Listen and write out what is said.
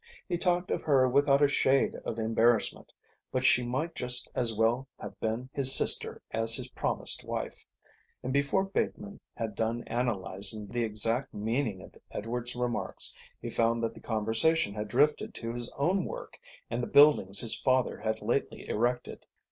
He talked of her without a shade of embarrassment, but she might just as well have been his sister as his promised wife; and before Bateman had done analysing the exact meaning of Edward's remarks he found that the conversation had drifted to his own work and the buildings his father had lately erected.